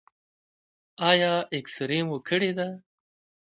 ایا اکسرې مو کړې ده؟